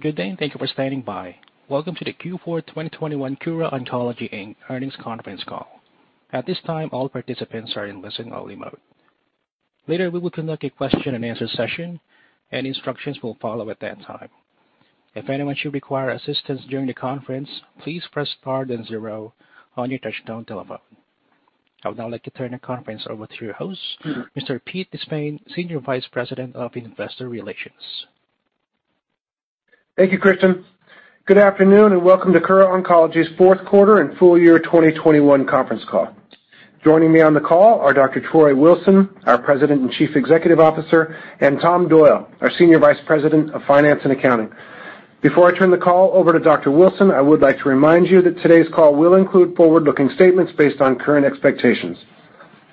Good day, and thank you for standing by. Welcome to the Q4 2021 Kura Oncology, Inc. earnings conference call. At this time, all participants are in listen only mode. Later, we will conduct a question and answer session, and instructions will follow at that time. If anyone should require assistance during the conference, please press star then zero on your touchtone telephone. I would now like to turn the conference over to your host, Mr. Pete De Spain, Senior Vice President of Investor Relations. Thank you, Christian. Good afternoon, and welcome to Kura Oncology's fourth quarter and full year 2021 conference call. Joining me on the call are Dr. Troy Wilson, our President and Chief Executive Officer, and Tom Doyle, our Senior Vice President of Finance and Accounting. Before I turn the call over to Dr. Wilson, I would like to remind you that today's call will include forward-looking statements based on current expectations.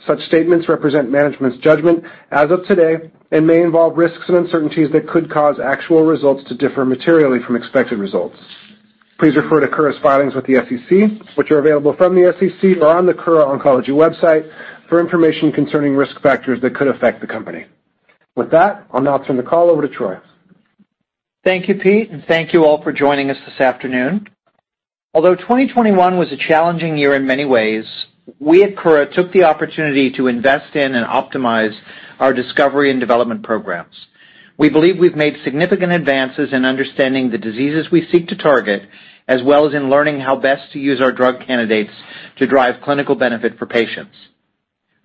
Such statements represent management's judgment as of today and may involve risks and uncertainties that could cause actual results to differ materially from expected results. Please refer to Kura's filings with the SEC, which are available from the SEC or on the Kura Oncology website for information concerning risk factors that could affect the company. With that, I'll now turn the call over to Troy. Thank you, Pete, and thank you all for joining us this afternoon. Although 2021 was a challenging year in many ways, we at Kura took the opportunity to invest in and optimize our discovery and development programs. We believe we've made significant advances in understanding the diseases we seek to target, as well as in learning how best to use our drug candidates to drive clinical benefit for patients.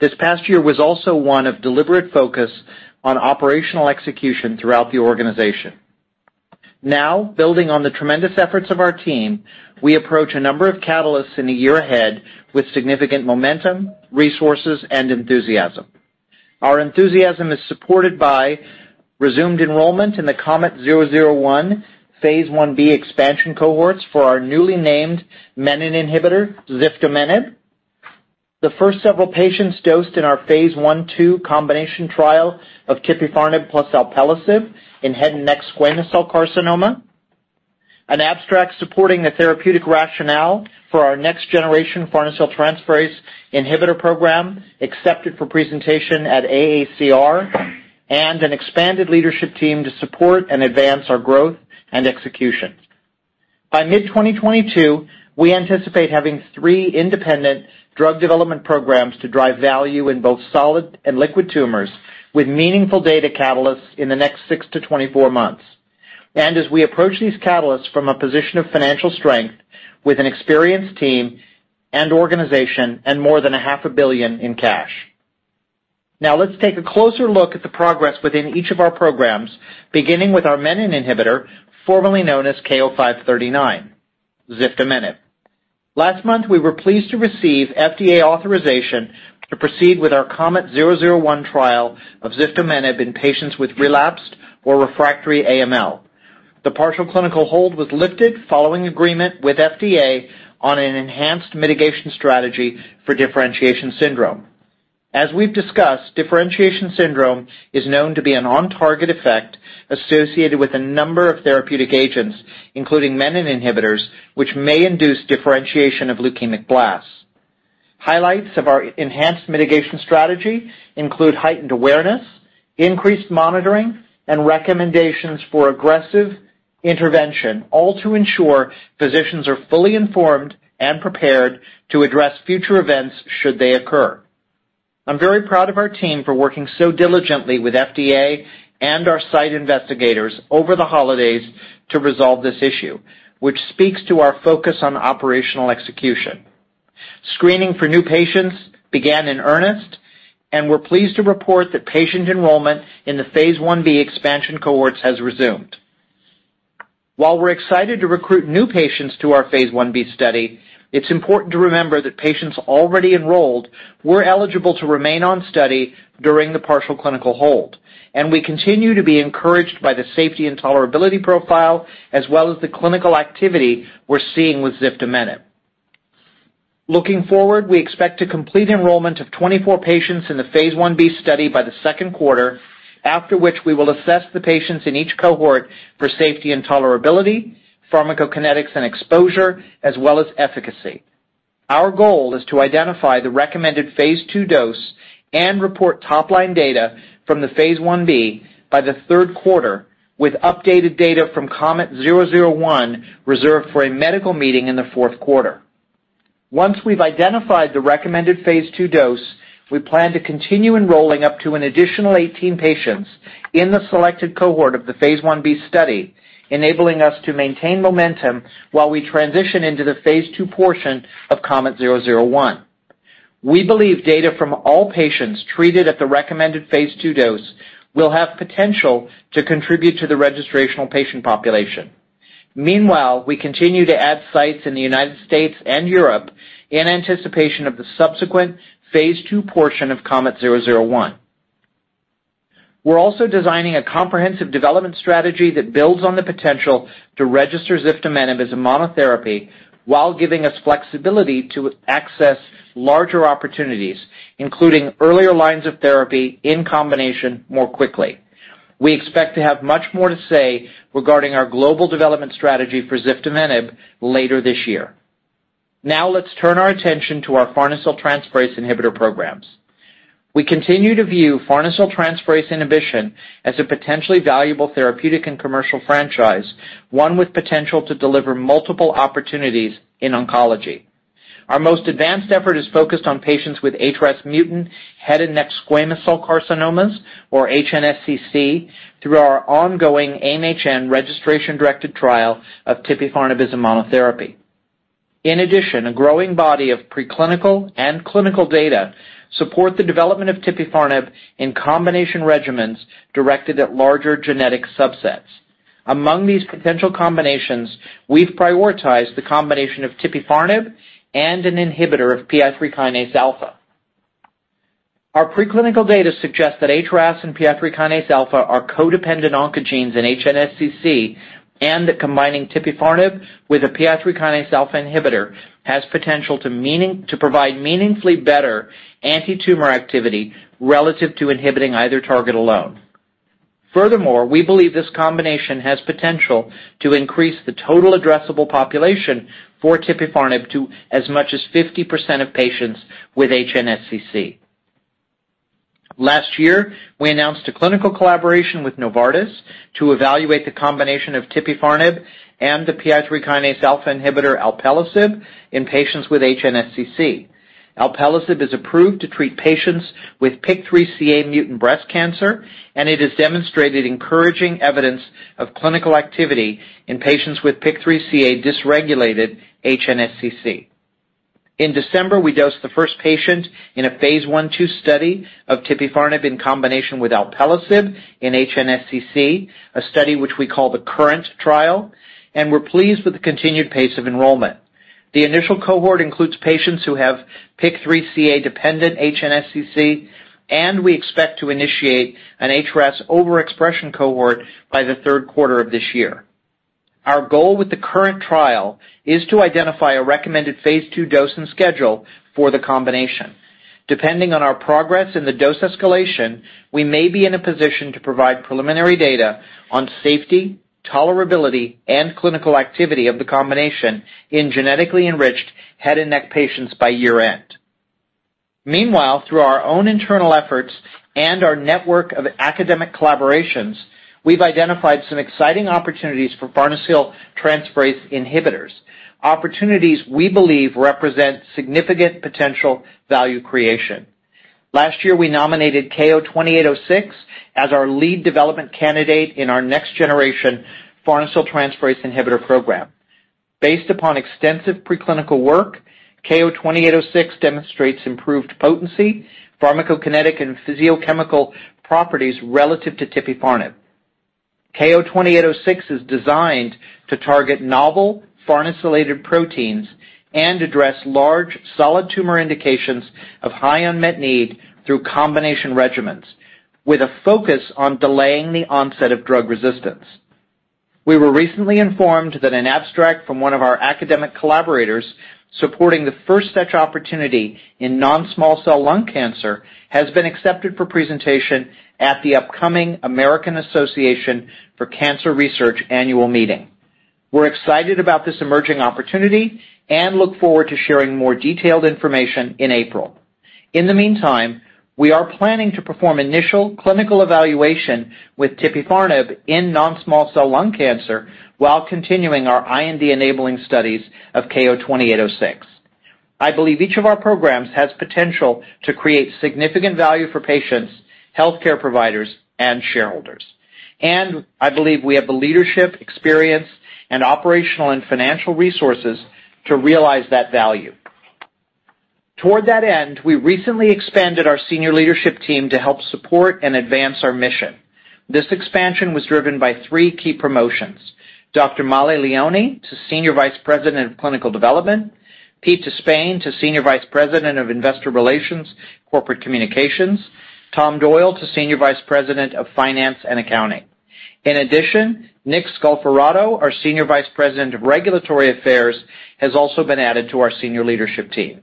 This past year was also one of deliberate focus on operational execution throughout the organization. Now, building on the tremendous efforts of our team, we approach a number of catalysts in the year ahead with significant momentum, resources, and enthusiasm. Our enthusiasm is supported by resumed enrollment in the KOMET-001 phase I-B expansion cohorts for our newly named menin inhibitor, ziftomenib. The first several patients dosed in our phase I/II combination trial of tipifarnib plus alpelisib in head and neck squamous cell carcinoma. An abstract supporting the therapeutic rationale for our next generation farnesyltransferase inhibitor program accepted for presentation at AACR, and an expanded leadership team to support and advance our growth and execution. By mid-2022, we anticipate having three independent drug development programs to drive value in both solid and liquid tumors with meaningful data catalysts in the next six months to 24 months. As we approach these catalysts from a position of financial strength with an experienced team and organization and more than half a billion dollars in cash. Now, let's take a closer look at the progress within each of our programs, beginning with our menin inhibitor, formerly known as KO-539, ziftomenib. Last month, we were pleased to receive FDA authorization to proceed with our KOMET-001 trial of ziftomenib in patients with relapsed or refractory AML. The partial clinical hold was lifted following agreement with FDA on an enhanced mitigation strategy for differentiation syndrome. As we've discussed, differentiation syndrome is known to be an on-target effect associated with a number of therapeutic agents, including menin inhibitors, which may induce differentiation of leukemic blasts. Highlights of our enhanced mitigation strategy include heightened awareness, increased monitoring, and recommendations for aggressive intervention, all to ensure physicians are fully informed and prepared to address future events should they occur. I'm very proud of our team for working so diligently with FDA and our site investigators over the holidays to resolve this issue, which speaks to our focus on operational execution. Screening for new patients began in earnest, and we're pleased to report that patient enrollment in the phase I-B expansion cohorts has resumed. While we're excited to recruit new patients to our phase I-B study, it's important to remember that patients already enrolled were eligible to remain on study during the partial clinical hold, and we continue to be encouraged by the safety and tolerability profile as well as the clinical activity we're seeing with ziftomenib. Looking forward, we expect to complete enrollment of 24 patients in the phase I-B study by the second quarter, after which we will assess the patients in each cohort for safety and tolerability, pharmacokinetics and exposure, as well as efficacy. Our goal is to identify the recommended phase II dose and report top-line data from the phase I-B by the third quarter, with updated data from KOMET-001 reserved for a medical meeting in the fourth quarter. Once we've identified the recommended phase II dose, we plan to continue enrolling up to an additional 18 patients in the selected cohort of the phase I-B study, enabling us to maintain momentum while we transition into the phase II portion of KOMET-001. We believe data from all patients treated at the recommended phase II dose will have potential to contribute to the registrational patient population. Meanwhile, we continue to add sites in the United States and Europe in anticipation of the subsequent phase II portion of KOMET-001. We're also designing a comprehensive development strategy that builds on the potential to register ziftomenib as a monotherapy while giving us flexibility to access larger opportunities, including earlier lines of therapy in combination more quickly. We expect to have much more to say regarding our global development strategy for ziftomenib later this year. Now let's turn our attention to our farnesyltransferase inhibitor programs. We continue to view farnesyltransferase inhibition as a potentially valuable therapeutic and commercial franchise, one with potential to deliver multiple opportunities in oncology. Our most advanced effort is focused on patients with HRAS mutant head and neck squamous cell carcinomas, or HNSCC, through our ongoing AIM-HN registration-directed trial of tipifarnib as a monotherapy. In addition, a growing body of preclinical and clinical data support the development of tipifarnib in combination regimens directed at larger genetic subsets. Among these potential combinations, we've prioritized the combination of tipifarnib and an inhibitor of PI3 kinase alpha. Our preclinical data suggests that HRAS and PI3 kinase alpha are codependent oncogenes in HNSCC, and that combining tipifarnib with a PI3 kinase alpha inhibitor has potential to provide meaningfully better antitumor activity relative to inhibiting either target alone. Furthermore, we believe this combination has potential to increase the total addressable population for tipifarnib to as much as 50% of patients with HNSCC. Last year, we announced a clinical collaboration with Novartis to evaluate the combination of tipifarnib and the PI3 kinase alpha inhibitor alpelisib in patients with HNSCC. Alpelisib is approved to treat patients with PIK3CA mutant breast cancer, and it has demonstrated encouraging evidence of clinical activity in patients with PIK3CA dysregulated HNSCC. In December, we dosed the first patient in a phase I/II study of tipifarnib in combination with alpelisib in HNSCC, a study which we call the KURRENT trial, and we're pleased with the continued pace of enrollment. The initial cohort includes patients who have PIK3CA-dependent HNSCC, and we expect to initiate an HRAS overexpression cohort by the third quarter of this year. Our goal with the KURRENT trial is to identify a recommended phase II dose and schedule for the combination. Depending on our progress in the dose escalation, we may be in a position to provide preliminary data on safety, tolerability, and clinical activity of the combination in genetically enriched head and neck patients by year-end. Meanwhile, through our own internal efforts and our network of academic collaborations, we've identified some exciting opportunities for farnesyltransferase inhibitors. Opportunities we believe represent significant potential value creation. Last year, we nominated KO-2806 as our lead development candidate in our next-generation farnesyltransferase inhibitor program. Based upon extensive preclinical work, KO-2806 demonstrates improved potency, pharmacokinetic, and physicochemical properties relative to tipifarnib. KO-2806 is designed to target novel farnesylated proteins and address large solid tumor indications of high unmet need through combination regimens, with a focus on delaying the onset of drug resistance. We were recently informed that an abstract from one of our academic collaborators supporting the first such opportunity in non-small cell lung cancer has been accepted for presentation at the upcoming American Association for Cancer Research annual meeting. We're excited about this emerging opportunity and look forward to sharing more detailed information in April. In the meantime, we are planning to perform initial clinical evaluation with tipifarnib in non-small cell lung cancer while continuing our IND-enabling studies of KO-2806. I believe each of our programs has potential to create significant value for patients, healthcare providers, and shareholders. I believe we have the leadership experience and operational and financial resources to realize that value. Toward that end, we recently expanded our senior leadership team to help support and advance our mission. This expansion was driven by three key promotions. Dr. Mollie Leoni to Senior Vice President of Clinical Development, Pete De Spain to Senior Vice President of Investor Relations, Corporate Communications, Tom Doyle to Senior Vice President of Finance and Accounting. In addition, Nic Scalfarotto, our Senior Vice President of Regulatory Affairs, has also been added to our senior leadership team.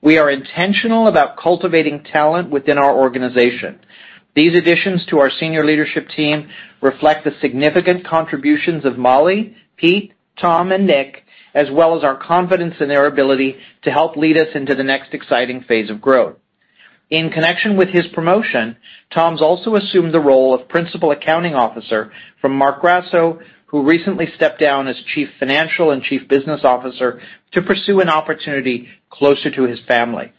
We are intentional about cultivating talent within our organization. These additions to our senior leadership team reflect the significant contributions of Mollie, Pete, Tom, and Nic, as well as our confidence in their ability to help lead us into the next exciting phase of growth. In connection with his promotion, Tom's also assumed the role of Principal Accounting Officer from Marc Grasso, who recently stepped down as Chief Financial and Chief Business Officer to pursue an opportunity closer to his family.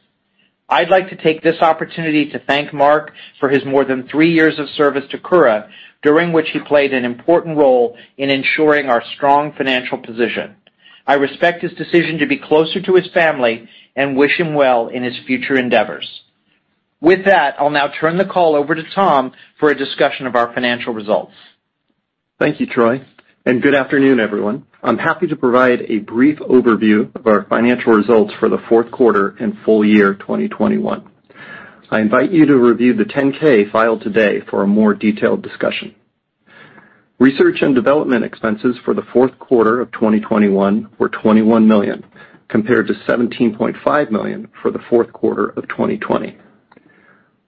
I'd like to take this opportunity to thank Marc for his more than three years of service to Kura, during which he played an important role in ensuring our strong financial position. I respect his decision to be closer to his family and wish him well in his future endeavors. With that, I'll now turn the call over to Tom for a discussion of our financial results. Thank you, Troy, and good afternoon, everyone. I'm happy to provide a brief overview of our financial results for the fourth quarter and full year 2021. I invite you to review the 10-K filed today for a more detailed discussion. Research and development expenses for the fourth quarter of 2021 were $21 million, compared to $17.5 million for the fourth quarter of 2020.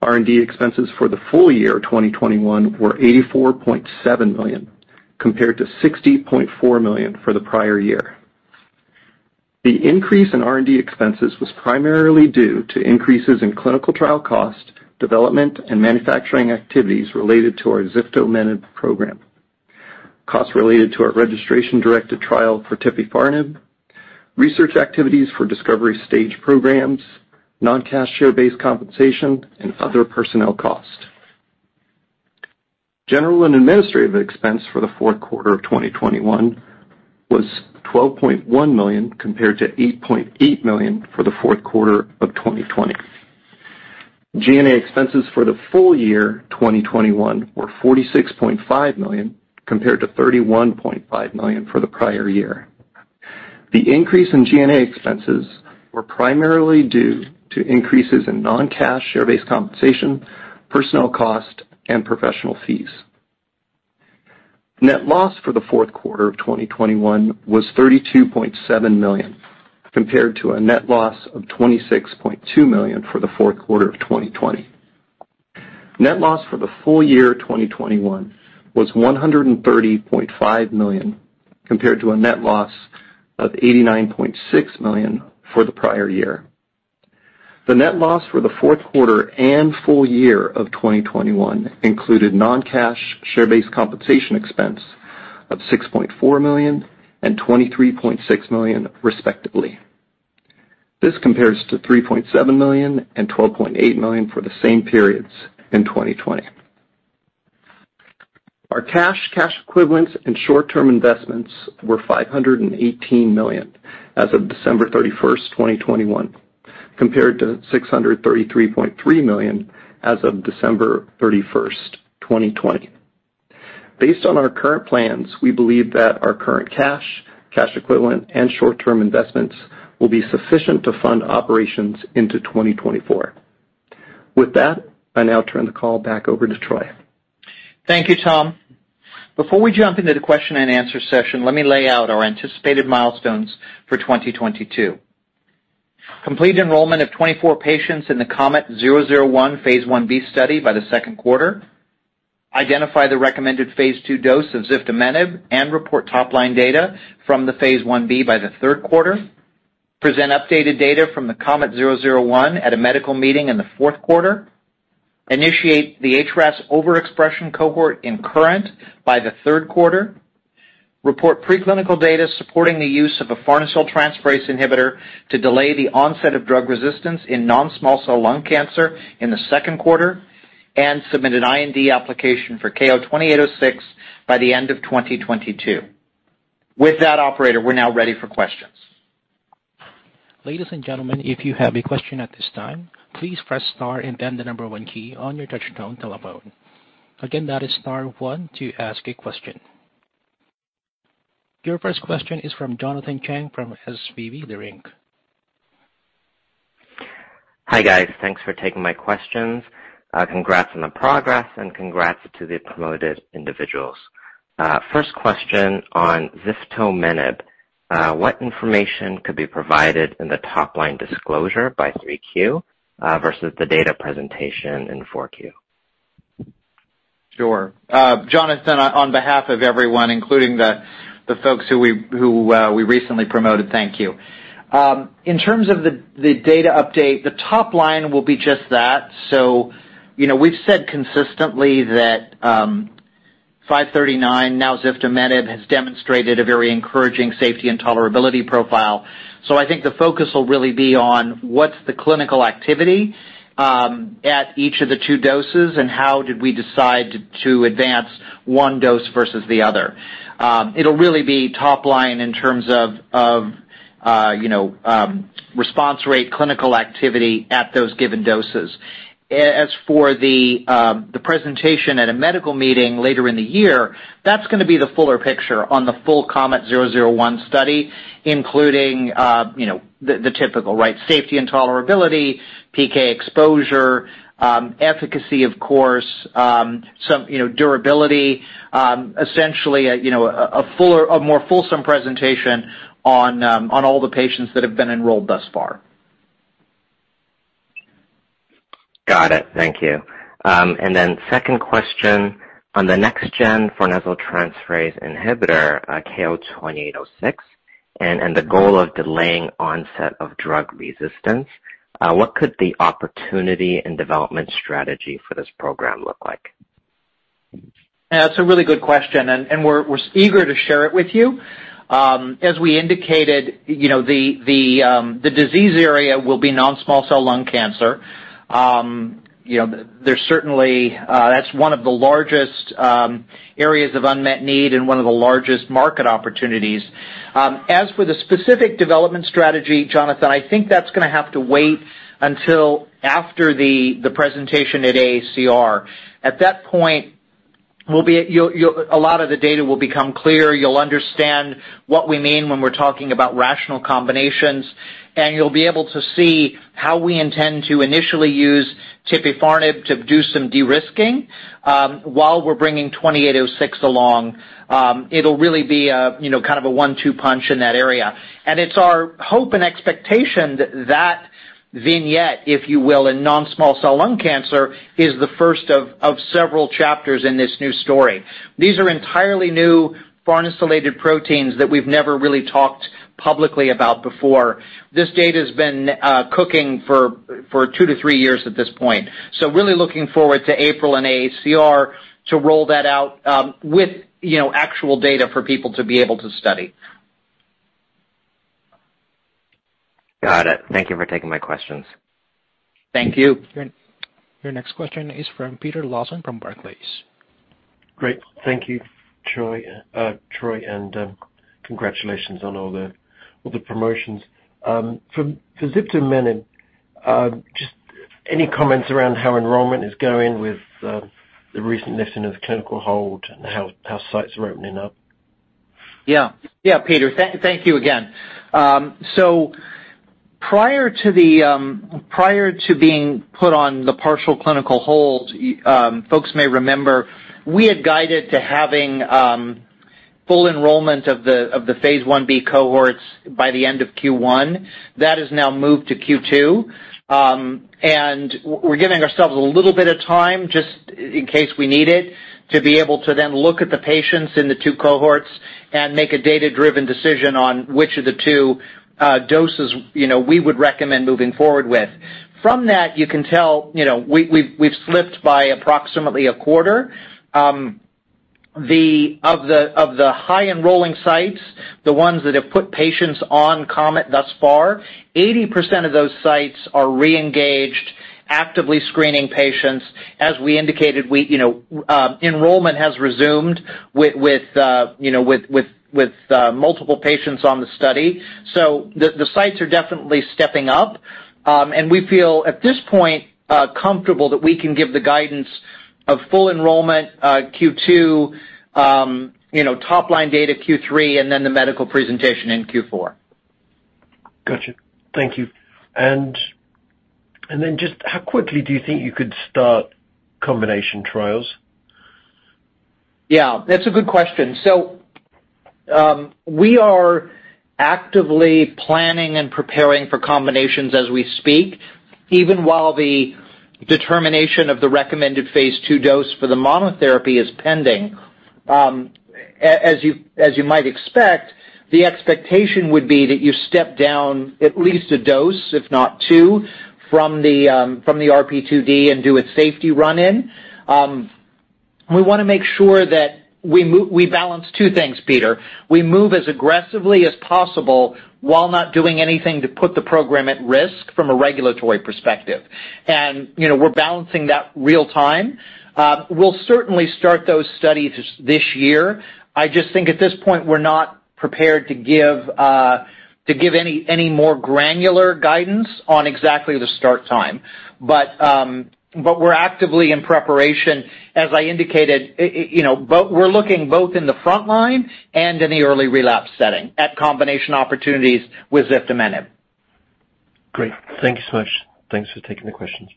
R&D expenses for the full year 2021 were $84.7 million, compared to $60.4 million for the prior year. The increase in R&D expenses was primarily due to increases in clinical trial costs, development, and manufacturing activities related to our ziftomenib program, costs related to our registration-directed trial for tipifarnib, research activities for discovery-stage programs, non-cash share-based compensation, and other personnel costs. General and administrative expense for the fourth quarter of 2021 was $12.1 million, compared to $8.8 million for the fourth quarter of 2020. G&A expenses for the full year 2021 were $46.5 million, compared to $31.5 million for the prior year. The increase in G&A expenses were primarily due to increases in non-cash share-based compensation, personnel costs, and professional fees. Net loss for the fourth quarter of 2021 was $32.7 million, compared to a net loss of $26.2 million for the fourth quarter of 2020. Net loss for the full year 2021 was $130.5 million, compared to a net loss of $89.6 million for the prior year. The net loss for the fourth quarter and full year of 2021 included non-cash share-based compensation expense of $6.4 million and $23.6 million, respectively. This compares to $3.7 million and $12.8 million for the same periods in 2020. Our cash equivalents, and short-term investments were $518 million as of December 31st, 2021, compared to $633.3 million as of December 31st, 2020. Based on our current plans, we believe that our current cash equivalent, and short-term investments will be sufficient to fund operations into 2024. With that, I now turn the call back over to Troy. Thank you, Tom. Before we jump into the question and answer session, let me lay out our anticipated milestones for 2022. Complete enrollment of 24 patients in the KOMET-001 phase I-B study by the second quarter. Identify the recommended phase II dose of ziftomenib and report top-line data from the phase I-B by the third quarter. Present updated data from the KOMET-001 at a medical meeting in the fourth quarter. Initiate the HRAS overexpression cohort in KURRENT by the third quarter. Report preclinical data supporting the use of a farnesyltransferase inhibitor to delay the onset of drug resistance in non-small cell lung cancer in the second quarter, and submit an IND application for KO-2806 by the end of 2022. With that Operator, we're now ready for questions. Ladies and gentlemen, if you have a question at this time, please press star and then the number one key on your touch-tone telephone. Again, that is star one to ask a question. Your first question is from Jonathan Chang from SVB Leerink. Hi, guys. Thanks for taking my questions. Congrats on the progress and congrats to the promoted individuals. First question on ziftomenib. What information could be provided in the top-line disclosure by 3Q versus the data presentation in 4Q? Sure. Jonathan, on behalf of everyone, including the folks who we recently promoted, thank you. In terms of the data update, the top line will be just that. You know, we've said consistently that KO-539, now ziftomenib, has demonstrated a very encouraging safety and tolerability profile. I think the focus will really be on what's the clinical activity at each of the two doses and how did we decide to advance one dose versus the other. It'll really be top line in terms of, you know, response rate, clinical activity at those given doses. As for the presentation at a medical meeting later in the year, that's gonna be the fuller picture on the full KOMET-001 study, including, you know, the typical, right? Safety and tolerability, PK exposure, efficacy, of course, some, you know, durability, essentially, you know, a fuller, a more fulsome presentation on all the patients that have been enrolled thus far. Got it. Thank you. Second question on the next-gen farnesyl transferase inhibitor, KO-2806 and the goal of delaying onset of drug resistance, what could the opportunity and development strategy for this program look like? That's a really good question, and we're eager to share it with you. As we indicated, you know, the disease area will be non-small cell lung cancer. You know, there's certainly that's one of the largest areas of unmet need and one of the largest market opportunities. As for the specific development strategy, Jonathan, I think that's gonna have to wait until after the presentation at AACR. At that point, a lot of the data will become clear. You'll understand what we mean when we're talking about rational combinations, and you'll be able to see how we intend to initially use tipifarnib to do some de-risking, while we're bringing 2806 along. It'll really be a, you know, kind of a one-two punch in that area. It's our hope and expectation that Vignette, if you will, in non-small cell lung cancer is the first of several chapters in this new story. These are entirely new farnesylated proteins that we've never really talked publicly about before. This data's been cooking for two years-three years at this point. Really looking forward to April and AACR to roll that out, with, you know, actual data for people to be able to study. Got it. Thank you for taking my questions. Thank you. Your next question is from Peter Lawson from Barclays. Great. Thank you, Troy, and congratulations on all the promotions. For ziftomenib, just any comments around how enrollment is going with the recent lifting of clinical hold and how sites are opening up? Yeah. Yeah, Peter. Thank you again. So prior to being put on the partial clinical hold, folks may remember we had guided to having full enrollment of the phase I-B cohorts by the end of Q1. That has now moved to Q2. We're giving ourselves a little bit of time, just in case we need it, to be able to then look at the patients in the two cohorts and make a data-driven decision on which of the two doses, you know, we would recommend moving forward with. From that, you can tell, you know, we've slipped by approximately a quarter. The high enrolling sites, the ones that have put patients on KOMET thus far, 80% of those sites are re-engaged, actively screening patients. As we indicated, we, you know, enrollment has resumed with multiple patients on the study. The sites are definitely stepping up. We feel at this point comfortable that we can give the guidance of full enrollment Q2, you know, top line data Q3, and then the medical presentation in Q4. Gotcha. Thank you. Just how quickly do you think you could start combination trials? Yeah, that's a good question. We are actively planning and preparing for combinations as we speak, even while the determination of the recommended phase II dose for the monotherapy is pending. As you might expect, the expectation would be that you step down at least a dose, if not two, from the RP2D and do a safety run-in. We wanna make sure that we balance two things, Peter. We move as aggressively as possible while not doing anything to put the program at risk from a regulatory perspective. You know, we're balancing that real time. We'll certainly start those studies this year. I just think at this point we're not prepared to give any more granular guidance on exactly the start time. We're actively in preparation, as I indicated, you know, we're looking both in the front line and in the early relapse setting at combination opportunities with ziftomenib. Great. Thank you so much. Thanks for taking the questions.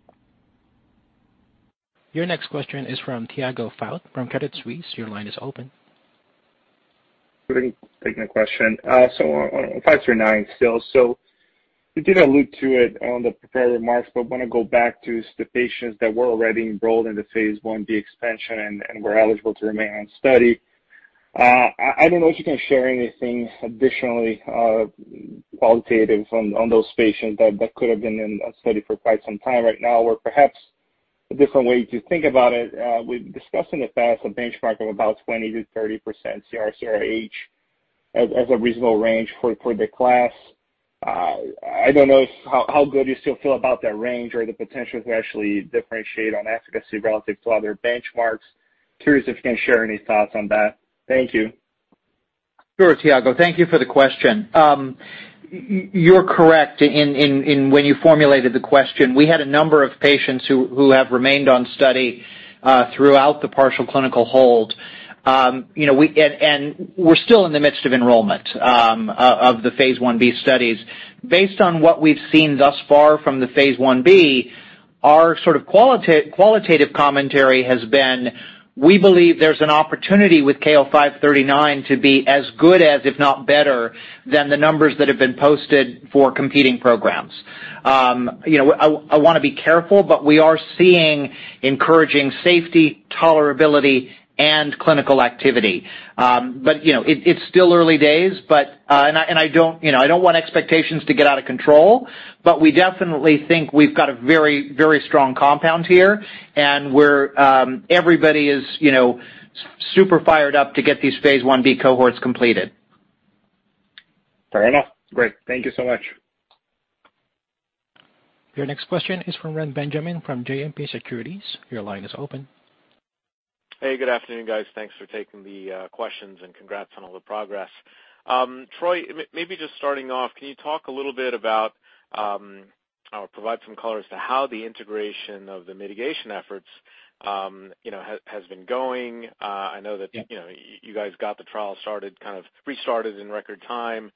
Your next question is from Tiago Fauth from Credit Suisse. Your line is open. Thanks for taking the question. On KO-539 still. You did allude to it on the prepared remarks, but wanna go back to the patients that were already enrolled in the phase I-B expansion and were eligible to remain on study. I don't know if you can share anything additionally, qualitative on those patients that could have been in a study for quite some time right now or perhaps a different way to think about it. We've discussed in the past a benchmark of about 20%-30% CR/CRh as a reasonable range for the class. I don't know how good you still feel about that range or the potential to actually differentiate on efficacy relative to other benchmarks. Curious if you can share any thoughts on that. Thank you. Sure, Tiago. Thank you for the question. You're correct in when you formulated the question. We had a number of patients who have remained on study throughout the partial clinical hold. We're still in the midst of enrollment of the phase I-B studies. Based on what we've seen thus far from the phase I B, our sort of qualitative commentary has been, we believe there's an opportunity with KO-539 to be as good as, if not better, than the numbers that have been posted for competing programs. I wanna be careful, but we are seeing encouraging safety, tolerability, and clinical activity. You know, it's still early days, and I don't want expectations to get out of control, but we definitely think we've got a very, very strong compound here, and everybody is, you know, super fired up to get these phase I-B cohorts completed. Fair enough. Great. Thank you so much. Your next question is from Reni Benjamin from JMP Securities. Your line is open. Hey, good afternoon, guys. Thanks for taking the questions and congrats on all the progress. Troy, maybe just starting off, can you talk a little bit about or provide some color as to how the integration of the mitigation efforts, you know, has been going? I know that- Yeah. You know, you guys got the trial started, kind of restarted in record time.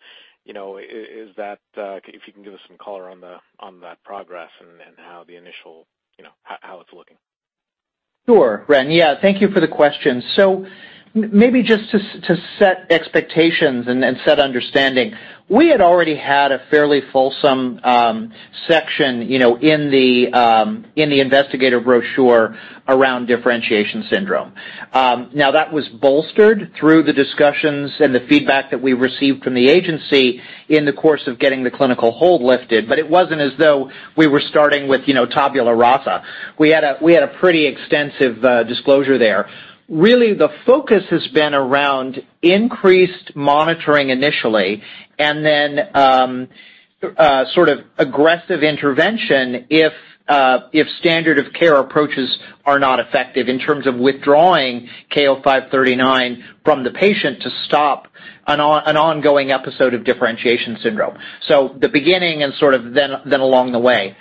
You know, is that if you can give us some color on that progress and how the initial, you know, how it's looking? Sure, Reni. Yeah, thank you for the question. Maybe just to set expectations and set understanding, we had already had a fairly fulsome section, you know, in the investigator brochure around differentiation syndrome. Now that was bolstered through the discussions and the feedback that we received from the agency in the course of getting the clinical hold lifted, but it wasn't as though we were starting with, you know, tabula rasa. We had a pretty extensive disclosure there. Really, the focus has been around increased monitoring initially and then sort of aggressive intervention if standard of care approaches are not effective in terms of withdrawing KO-539 from the patient to stop an ongoing episode of differentiation syndrome. The beginning and sort of then along the way.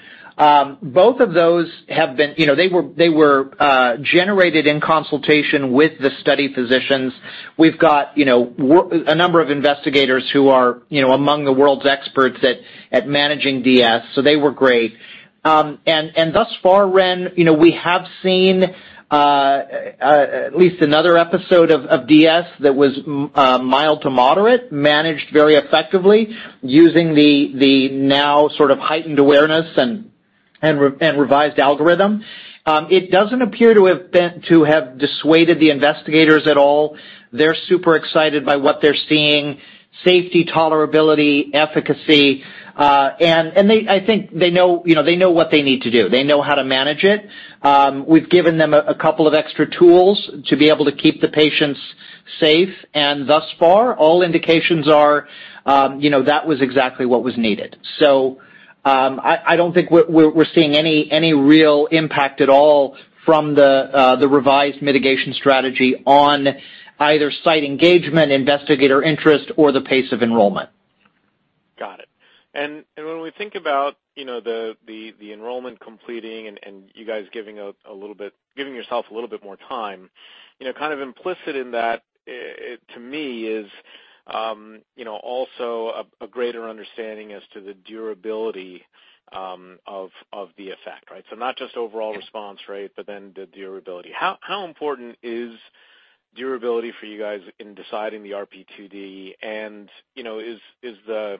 Both of those have been generated in consultation with the study physicians. You know, they were generated in consultation with the study physicians. We've got, you know, a number of investigators who are, you know, among the world's experts at managing DS, so they were great. Thus far, Ren, you know, we have seen at least another episode of DS that was mild to moderate, managed very effectively using the now sort of heightened awareness and revised algorithm. It doesn't appear to have dissuaded the investigators at all. They're super excited by what they're seeing, safety, tolerability, efficacy, and they. I think they know, you know, what they need to do. They know how to manage it. We've given them a couple of extra tools to be able to keep the patients safe, and thus far, all indications are, you know, that was exactly what was needed. I don't think we're seeing any real impact at all from the revised mitigation strategy on either site engagement, investigator interest, or the pace of enrollment. Got it. When we think about, you know, the enrollment completing and you guys giving yourself a little bit more time, you know, kind of implicit in that, to me is, you know, also a greater understanding as to the durability of the effect, right? So not just overall response rate, but then the durability. How important is durability for you guys in deciding the RP2D? You know, is the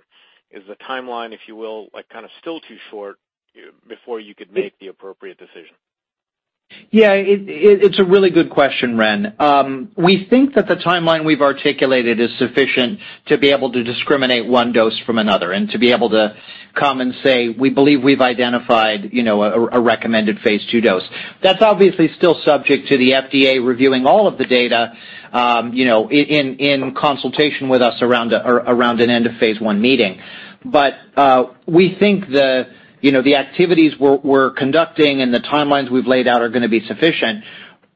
timeline, if you will, like, kind of still too short before you could make the appropriate decision? Yeah, it's a really good question, Reni. We think that the timeline we've articulated is sufficient to be able to discriminate one dose from another and to be able to come and say, we believe we've identified, you know, a recommended phase II dose. That's obviously still subject to the FDA reviewing all of the data, you know, in consultation with us around an end of phase I meeting. But we think the activities we're conducting and the timelines we've laid out are gonna be sufficient.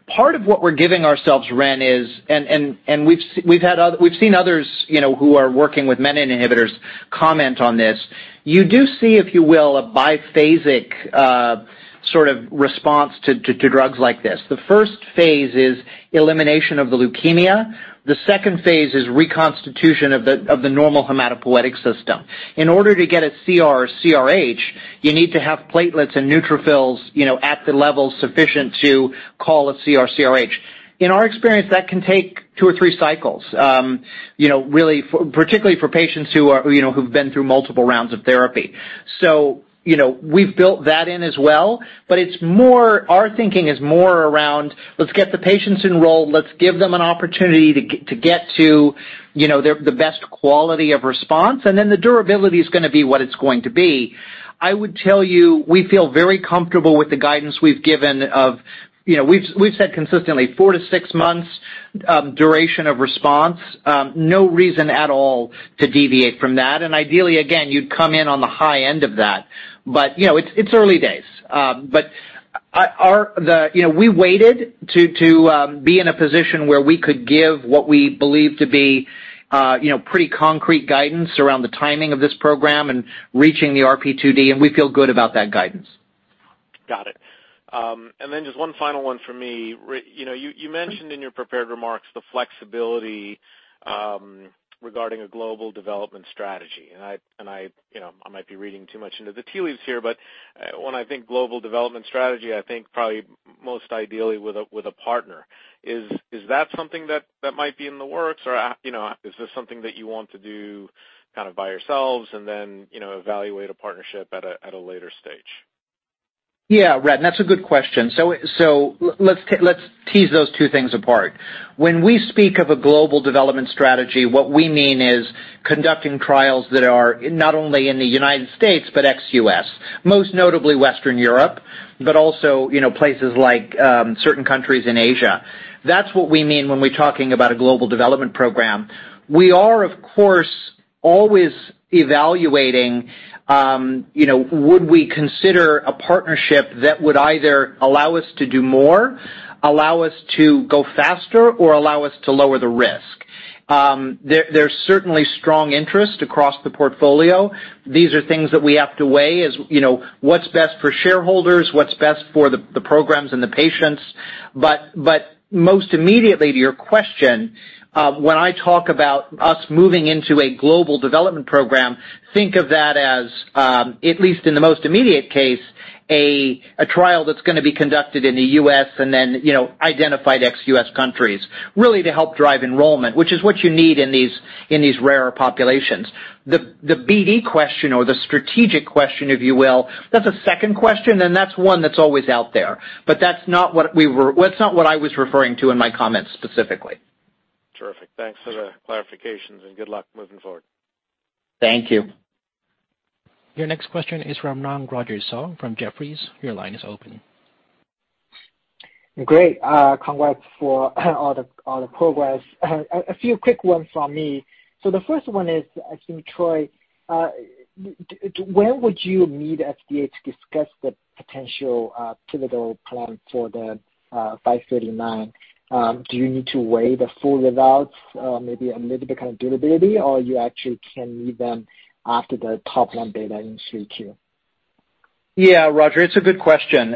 Part of what we're giving ourselves, Reni, is we've seen others, you know, who are working with menin inhibitors comment on this. You do see, if you will, a biphasic sort of response to drugs like this. The first phase is elimination of the leukemia. The second phase is reconstitution of the normal hematopoietic system. In order to get a CR/CRh, you need to have platelets and neutrophils, you know, at the level sufficient to call a CR/CRh. In our experience, that can take two or three cycles, you know, really particularly for patients who are, you know, who've been through multiple rounds of therapy. We've built that in as well, but it's more. Our thinking is more around, let's get the patients enrolled, let's give them an opportunity to get to, you know, their best quality of response, and then the durability is gonna be what it's going to be. I would tell you, we feel very comfortable with the guidance we've given of. You know, we've said consistently, four months-six months duration of response, no reason at all to deviate from that. Ideally, again, you'd come in on the high end of that. You know, it's early days. You know, we waited to be in a position where we could give what we believe to be, you know, pretty concrete guidance around the timing of this program and reaching the RP2D, and we feel good about that guidance. Got it. Just one final one for me. You know, you mentioned in your prepared remarks the flexibility regarding a global development strategy. I, you know, I might be reading too much into the tea leaves here, but when I think global development strategy, I think probably most ideally with a partner. Is that something that might be in the works? You know, is this something that you want to do kind of by yourselves and then evaluate a partnership at a later stage? Yeah, Reni, that's a good question. Let's tease those two things apart. When we speak of a global development strategy, what we mean is conducting trials that are not only in the United States, but ex-U.S., most notably Western Europe, but also places like certain countries in Asia. That's what we mean when we're talking about a global development program. We are, of course, always evaluating would we consider a partnership that would either allow us to do more, allow us to go faster, or allow us to lower the risk. There's certainly strong interest across the portfolio. These are things that we have to weigh as what's best for shareholders, what's best for the programs and the patients. Most immediately to your question, when I talk about us moving into a global development program, think of that as, at least in the most immediate case, a trial that's gonna be conducted in the U.S. and then, you know, identified ex-U.S. countries, really to help drive enrollment, which is what you need in these rarer populations. The BD question or the strategic question, if you will, that's a second question, and that's one that's always out there. That's not what I was referring to in my comments specifically. Terrific. Thanks for the clarifications and good luck moving forward. Thank you. Your next question is from Roger Song from Jefferies. Your line is open. Great. Congrats for all the progress. A few quick ones from me. The first one is, I think, Troy, when would you meet FDA to discuss the potential pivotal plan for the KO-539? Do you need to wait the full results, maybe a little bit kind of durability, or you actually can meet them after the top line data in Q2? Yeah, Roger, it's a good question.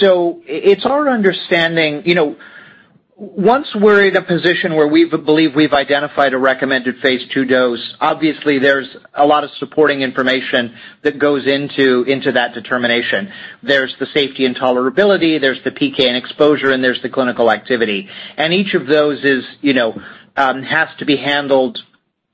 So it's our understanding, you know, once we're in a position where we believe we've identified a recommended phase II dose, obviously there's a lot of supporting information that goes into that determination. There's the safety and tolerability, there's the PK and exposure, and there's the clinical activity. Each of those is, you know, has to be handled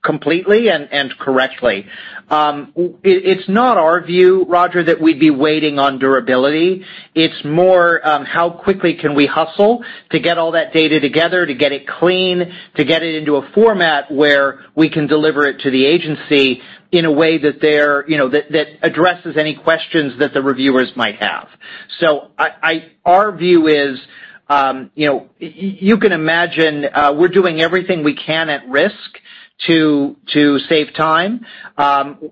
completely and correctly. It's not our view, Roger, that we'd be waiting on durability. It's more how quickly can we hustle to get all that data together, to get it clean, to get it into a format where we can deliver it to the agency in a way that they're, you know, that addresses any questions that the reviewers might have. I... Our view is, you know, you can imagine, we're doing everything we can at risk to save time.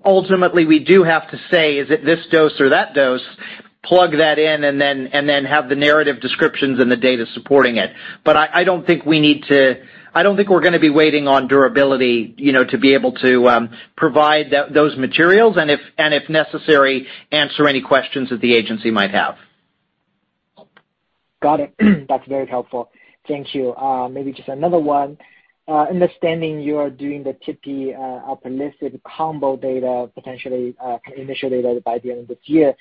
Ultimately, we do have to say, is it this dose or that dose, plug that in, and then have the narrative descriptions and the data supporting it. I don't think we need to. I don't think we're gonna be waiting on durability, you know, to be able to provide those materials, and if necessary, answer any questions that the agency might have. Got it. That's very helpful. Thank you. Maybe just another one. Understanding you are doing the tipifarnib alpelisib combo data potentially initially by the end of this year.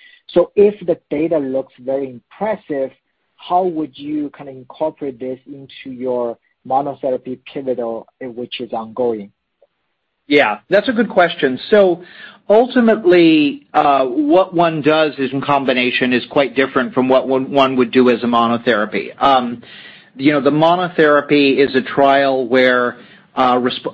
If the data looks very impressive, how would you kinda incorporate this into your monotherapy pivotal which is ongoing? Yeah, that's a good question. Ultimately, what one does in combination is quite different from what one would do as a monotherapy. You know, the monotherapy is a trial where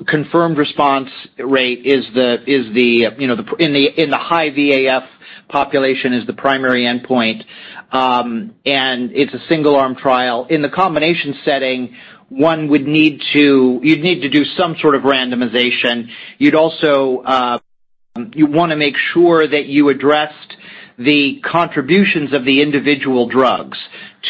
confirmed response rate in the high VAF population is the primary endpoint, and it's a single-arm trial. In the combination setting, you'd need to do some sort of randomization. You'd also, you wanna make sure that you addressed the contributions of the individual drugs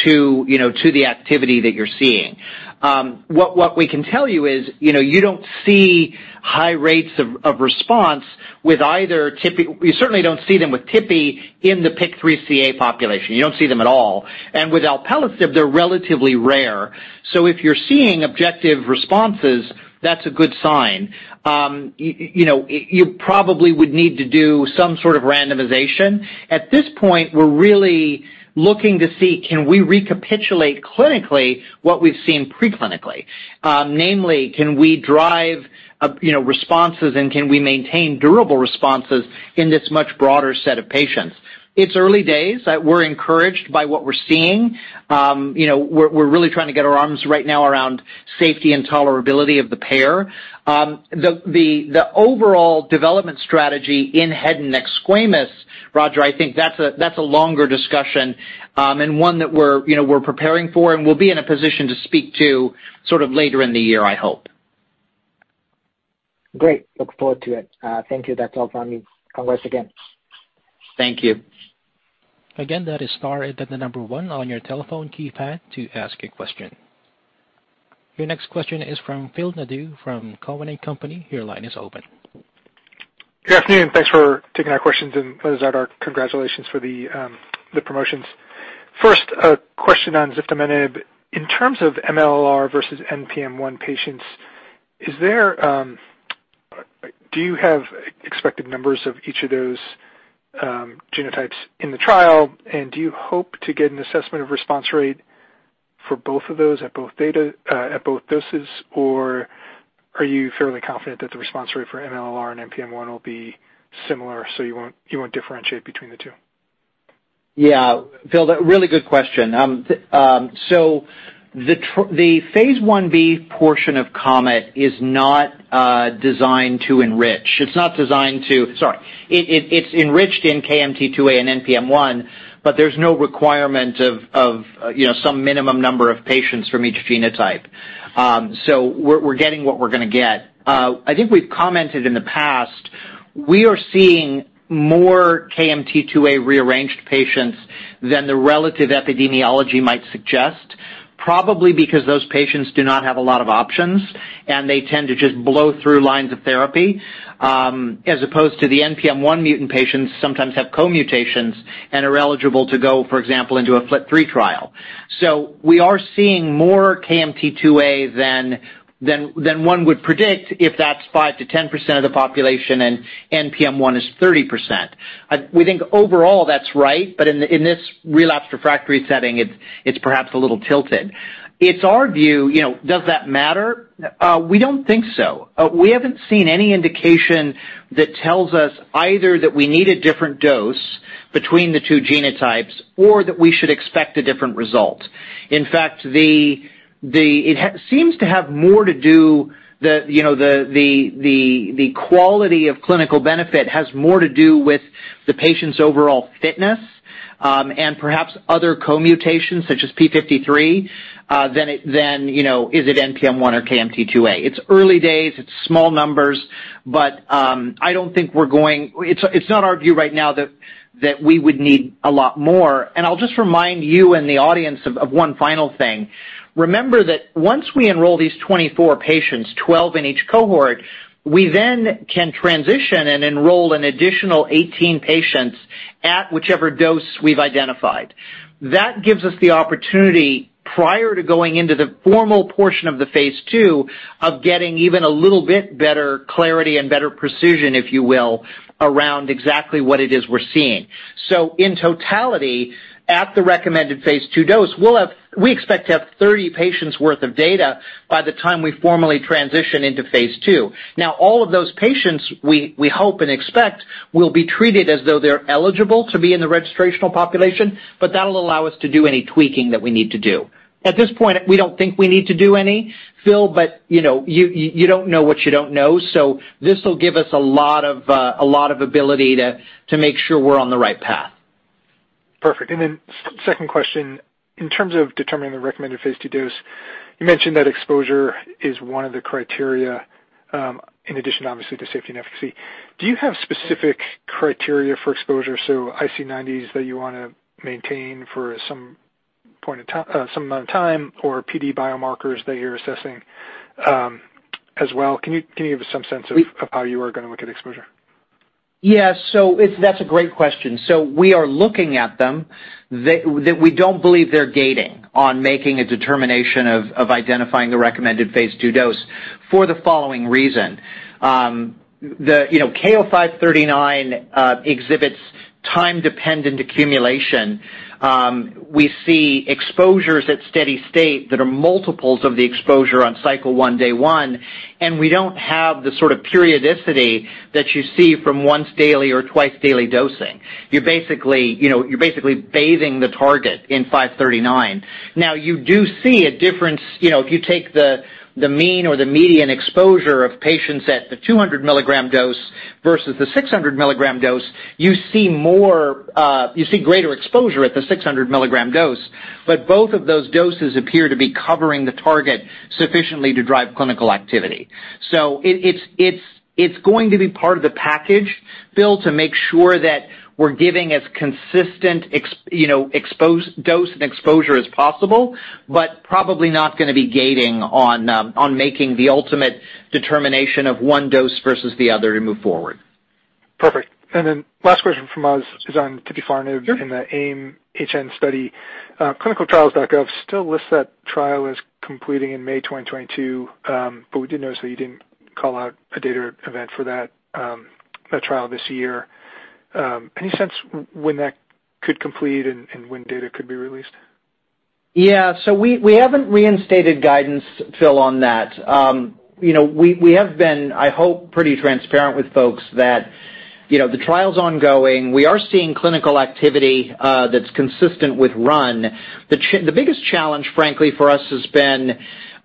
to, you know, to the activity that you're seeing. What we can tell you is, you know, you don't see high rates of response with either tipifarnib. You certainly don't see them with tipifarnib in the PIK3CA population. You don't see them at all. With alpelisib, they're relatively rare. If you're seeing objective responses, that's a good sign. You know, you probably would need to do some sort of randomization. At this point, we're really looking to see, can we recapitulate clinically what we've seen pre-clinically? Namely, can we drive, you know, responses and can we maintain durable responses in this much broader set of patients? It's early days. We're encouraged by what we're seeing. You know, we're really trying to get our arms right now around safety and tolerability of the pair. The overall development strategy in head and neck squamous, Roger, I think that's a longer discussion, and one that we're, you know, preparing for and we'll be in a position to speak to sort of later in the year, I hope. Great. Look forward to it. Thank you. That's all from me. Congrats again. Thank you. Again, that is star and then the number one on your telephone keypad to ask a question. Your next question is from Phil Nadeau from Cowen and Company. Your line is open. Good afternoon. Thanks for taking our questions. I want to start with our congratulations for the promotions. First, a question on ziftomenib. In terms of MLL-r versus NPM1 patients, do you have expected numbers of each of those genotypes in the trial, and do you hope to get an assessment of response rate for both of those at both doses, or are you fairly confident that the response rate for MLL-r and NPM1 will be similar, so you won't differentiate between the two? Yeah. Phil, a really good question. The phase 1-B portion of COMET is not designed to enrich. It's enriched in KMT2A and NPM1, but there's no requirement of you know, some minimum number of patients from each genotype. We're getting what we're gonna get. I think we've commented in the past, we are seeing more KMT2A rearranged patients than the relative epidemiology might suggest, probably because those patients do not have a lot of options, and they tend to just blow through lines of therapy, as opposed to the NPM1 mutant patients sometimes have co-mutations and are eligible to go, for example, into a FLT3 trial. We are seeing more KMT2A than one would predict if that's 5%-10% of the population and NPM1 is 30%. We think overall that's right, but in this relapsed refractory setting, it's perhaps a little tilted. It's our view, you know, does that matter? We don't think so. We haven't seen any indication that tells us either that we need a different dose between the two genotypes or that we should expect a different result. In fact, it seems to have more to do with the quality of clinical benefit, which has more to do with the patient's overall fitness and perhaps other co-mutations such as P53 than it is NPM1 or KMT2A. It's early days, it's small numbers, but I don't think we're going. It's not our view right now that we would need a lot more. I'll just remind you and the audience of one final thing. Remember that once we enroll these 24 patients, 12 patients in each cohort, we then can transition and enroll an additional 18 patients at whichever dose we've identified. That gives us the opportunity, prior to going into the formal portion of the phase II, of getting even a little bit better clarity and better precision, if you will, around exactly what it is we're seeing. In totality, at the recommended phase II dose, we'll have, we expect to have 30 patients' worth of data by the time we formally transition into phase II. Now, all of those patients, we hope and expect will be treated as though they're eligible to be in the registrational population, but that'll allow us to do any tweaking that we need to do. At this point, we don't think we need to do any, Phil, but you know, you don't know what you don't know. This will give us a lot of, a lot of ability to make sure we're on the right path. Perfect. Second question, in terms of determining the recommended phase II dose, you mentioned that exposure is one of the criteria, in addition, obviously, to safety and efficacy. Do you have specific criteria for exposure, so IC90s that you wanna maintain for some amount of time or PD biomarkers that you're assessing, as well? Can you give us some sense of? We- of how you are gonna look at exposure? Yeah. It's a great question. We are looking at them. We don't believe they're gating on making a determination of identifying the recommended phase II dose for the following reason. You know, KO-539 exhibits time-dependent accumulation. We see exposures at steady state that are multiples of the exposure on cycle one, day one, and we don't have the sort of periodicity that you see from once daily or twice daily dosing. You're basically, you know, bathing the target in 539. Now, you do see a difference, you know, if you take the mean or the median exposure of patients at the 200 mg dose versus the 600 mg dose, you see more, you see greater exposure at the 600 mg dose. Both of those doses appear to be covering the target sufficiently to drive clinical activity. It's going to be part of the package, Phil, to make sure that we're giving as consistent dose and exposure as possible, but probably not gonna be gating on making the ultimate determination of one dose versus the other to move forward. Perfect. Last question from us is on tipifarnib. Sure In the AIM-HN study. Clinicaltrials.gov still lists that trial as completing in May 2022, but we did notice that you didn't call out a data event for that trial this year. Any sense when that could complete and when data could be released? We haven't reinstated guidance, Phil, on that. We have been, I hope, pretty transparent with folks that the trial's ongoing. We are seeing clinical activity that's consistent with RUN-HN. The biggest challenge, frankly, for us has been,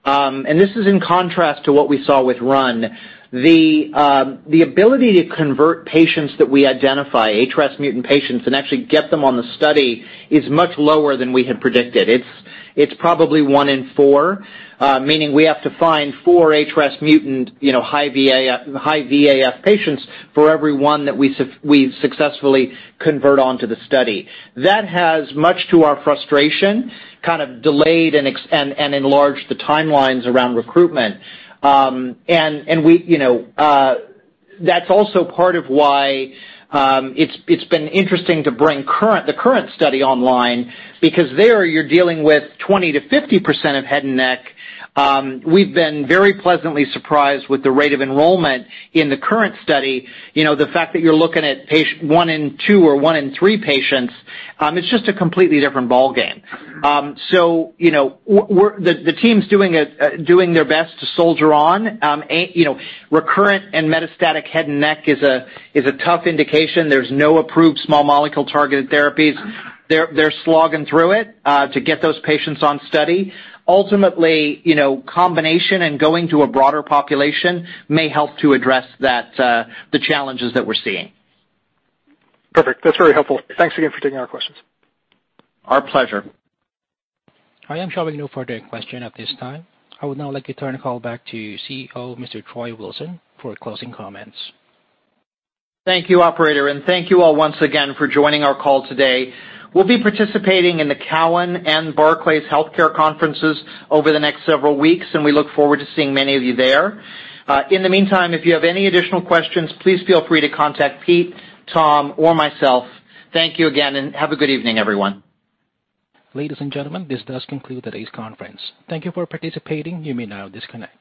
and this is in contrast to what we saw with RUN-HN, the ability to convert patients that we identify, HRAS mutant patients, and actually get them on the study is much lower than we had predicted. It's probably one in four, meaning we have to find four HRAS mutant high VAF patients for every one that we successfully convert onto the study. That has, much to our frustration, kind of delayed and enlarged the timelines around recruitment. We, you know, that's also part of why it's been interesting to bring the KURRENT study online, because there you're dealing with 20%-50% of head and neck. We've been very pleasantly surprised with the rate of enrollment in the KURRENT study. You know, the fact that you're looking at one in two or one in three patients, it's just a completely different ballgame. You know, the team's doing their best to soldier on. You know, recurrent and metastatic head and neck is a tough indication. There's no approved small molecule-targeted therapies. They're slogging through it to get those patients on study. Ultimately, you know, combination and going to a broader population may help to address that, the challenges that we're seeing. Perfect. That's very helpful. Thanks again for taking our questions. Our pleasure. I am showing no further question at this time. I would now like to turn the call back to CEO, Mr. Troy Wilson, for closing comments. Thank you, operator, and thank you all once again for joining our call today. We'll be participating in the Cowen and Barclays Healthcare Conferences over the next several weeks, and we look forward to seeing many of you there. In the meantime, if you have any additional questions, please feel free to contact Pete, Tom, or myself. Thank you again, and have a good evening, everyone. Ladies and gentlemen, this does conclude today's conference. Thank you for participating. You may now disconnect.